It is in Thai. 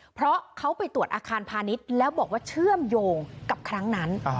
เพราะเขาไปตรวจอาคารพาณิชย์แล้วบอกว่าเชื่อมโยงกับครั้งนั้น